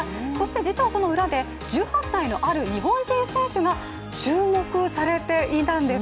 実はその裏で、１８歳のある日本人選手が注目されていたんです。